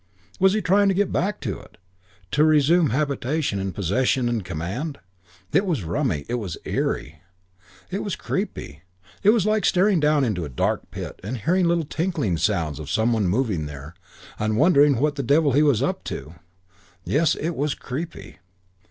Was he trying to get back to it, to resume habitation and possession and command? It was rummy. It was eerie. It was creepy. It was like staring down into a dark pit and hearing little tinkling sounds of some one moving there, and wondering what the devil he was up to. Yes, it was creepy....